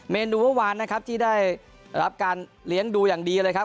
นูเมื่อวานนะครับที่ได้รับการเลี้ยงดูอย่างดีเลยครับ